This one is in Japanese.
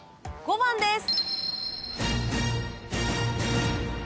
５番です。